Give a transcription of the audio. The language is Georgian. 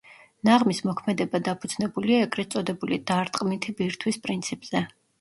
ნაღმის მოქმედება დაფუძნებულია ეგრეთ წოდებული დარტყმითი ბირთვის პრინციპზე.